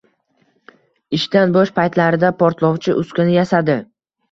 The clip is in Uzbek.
Ishdan boʻsh paytlarida portlovchi uskuna yasadi